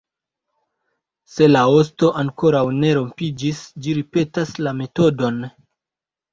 Se la osto ankoraŭ ne rompiĝis, ĝi ripetas la metodon.